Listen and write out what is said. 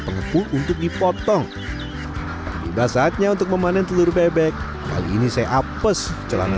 pengepul untuk dipotong tiba saatnya untuk memanen telur bebek kali ini saya apes celana